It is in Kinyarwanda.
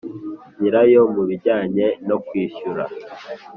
nyirayo mu bijyanye no kwishyura